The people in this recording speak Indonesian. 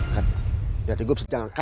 saya sudah memberikan paris gateway